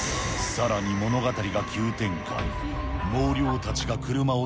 さらに物語が急展開。